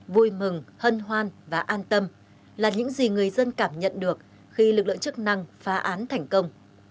vui mừng hân hoan và an tâm là những gì người dân cảm nhận được khi lực lượng chức năng phá án thành công